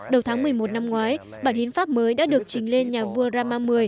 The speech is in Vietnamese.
đầu tháng một mươi một năm ngoái bản hiến pháp mới đã được trình lên nhà vua rama x